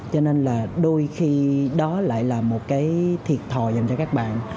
cho nên là đôi khi đó lại là một cái thiệt thòi dành cho các bạn